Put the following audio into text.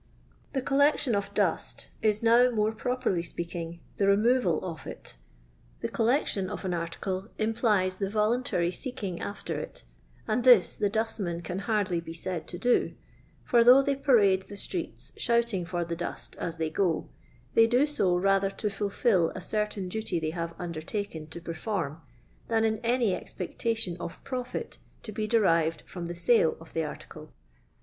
The collection of dust," is now, more properly speaking, the removal of it The collection of an LONDOir LABOUR AND THE LONDON POOR. 1«7 article implies tlie Tolontary seeking tftw it, and this the dustmen can hardly be said to do ; for though they parade the strecU shontins for the dust as tbej go, they do so rather to folfil a certain duty they have undertaken to perform than in any expectation of profit to be derived from llit «de of the article.